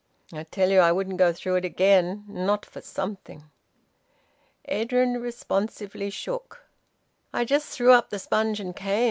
I tell you I wouldn't go through it again not for something." Edwin responsively shook. "I just threw up the sponge and came.